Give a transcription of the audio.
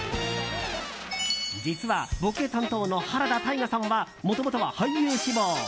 実はボケ担当の原田泰雅さんはもともとは俳優志望。